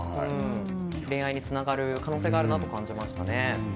恋愛につながる可能性があるなと感じましたね。